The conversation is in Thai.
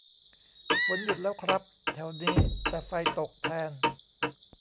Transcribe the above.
ฝนหยุดแล้วครับแถวนี้ แต่ไฟตกแทน